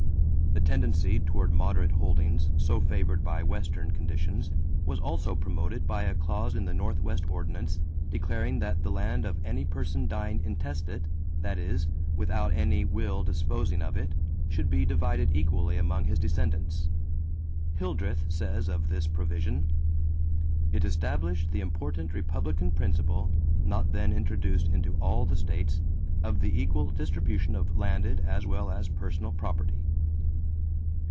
The tendency toward moderate holdings, so favored by Western conditions, was also promoted by a clause in the Northwest Ordinance declaring that the land of any person dying intestate that is, without any will disposing of it should be divided equally among his descendants. Hildreth says of this provision: "It established the important republican principle, not then introduced into all the states, of the equal distribution of landed as well as personal property."